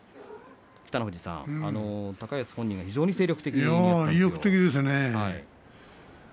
北の富士さん、高安本人は非常に精力的です。